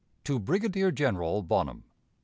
_ "To Brigadier General Bonham."